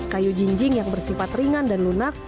kayu jinjing yang bersifat ringan dan lunak